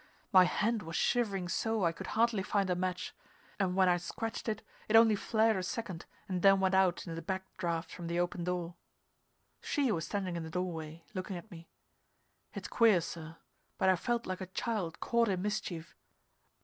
My hand was shivering so I could hardly find a match; and when I scratched it, it only flared a second and then went out in the back draught from the open door. She was standing in the doorway, looking at me. It's queer, sir, but I felt like a child caught in mischief.